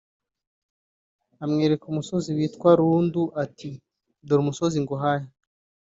amwereka umusozi witwa Rundu ati “Dore umusozi nguhaye